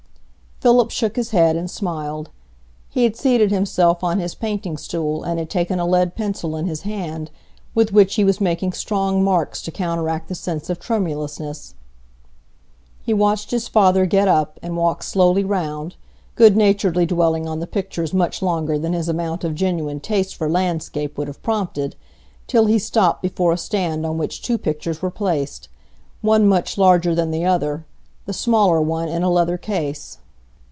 Philip shook his head and smiled. He had seated himself on his painting stool, and had taken a lead pencil in his hand, with which he was making strong marks to counteract the sense of tremulousness. He watched his father get up, and walk slowly round, good naturedly dwelling on the pictures much longer than his amount of genuine taste for landscape would have prompted, till he stopped before a stand on which two pictures were placed,—one much larger than the other, the smaller one in a leather case.